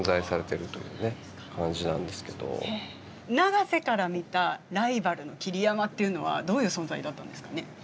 永瀬から見たライバルの桐山っていうのはどういう存在だったんですかね？